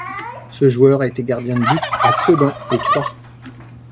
Ce joueur a été gardien de but à Sedan et Troyes.